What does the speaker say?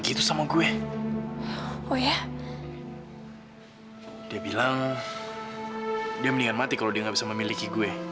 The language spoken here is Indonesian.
dia mendingan mati kalau dia gak bisa memiliki gue